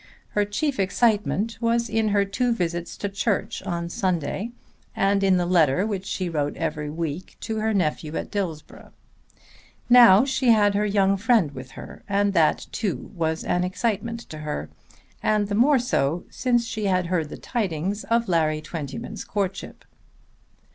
Her chief excitement was in her two visits to church on Sunday and in the letter which she wrote every week to her nephew at Dillsborough. Now she had her young friend with her, and that too was an excitement to her, and the more so since she had heard the tidings of Larry Twentyman's courtship.